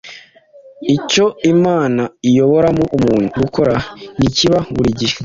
Icyo Imana iyoboramo umuntu gukora ntikiba buri gihe